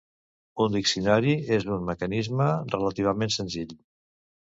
Un diccionari és un mecanisme relativament senzill.